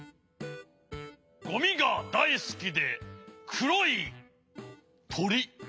ゴミがだいすきでくろいとり。